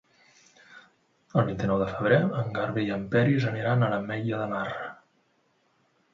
El vint-i-nou de febrer en Garbí i en Peris aniran a l'Ametlla de Mar.